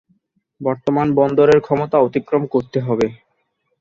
বর্তমান বন্দরের ক্ষমতা অতিক্রম করতে হবে।